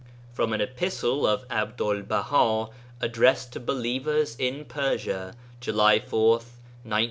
13. "From an epistle of Abdul Baha, addressed to Believers in Persia, July 4th, 1906.